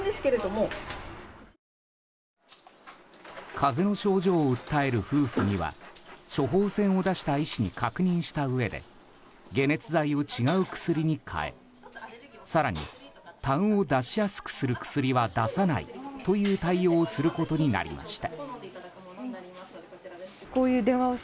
風邪の症状を訴える夫婦には処方箋を出した医師に確認したうえで解熱剤を違う薬に変え更に、たんを出しやすくする薬は出さないという対応をすることになりました。